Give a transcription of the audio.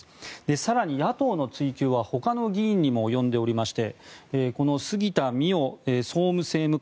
更に、野党の追及はほかの議員にも及んでいましてこの杉田水脈総務政務官。